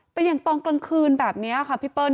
แต่อย่างตอนกลางคืนแบบนี้ค่ะพี่เปิ้ล